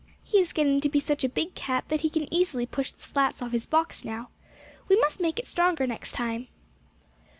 "He is getting to be such a big cat that he can easily push the slats off his box, now. We must make it stronger next time."